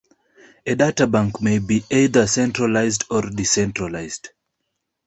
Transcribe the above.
A data bank may be either centralized or decentralized.